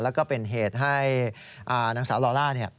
แล้วก็เป็นเหตุให้นางสาวลอล่า